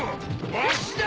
わしだ！